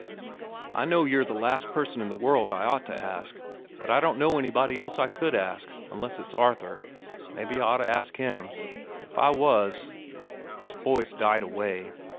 I know you're the last person in the world I ought to ask, but I don't know anybody else I could ask—unless it's Arthur. Mebbe I ought to ask him. If I was—" His voice died away.